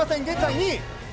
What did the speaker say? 現在２位。